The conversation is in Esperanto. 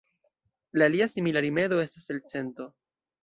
La alia simila rimedo estas elcento.